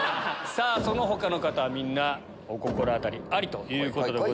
その他の方はみんなお心当たりありということです。